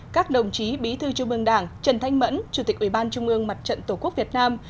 các đồng chí bí thư trung ương đảng trần thanh mẫn chủ tịch ủy ban trung ương mặt trận tổ quốc việt nam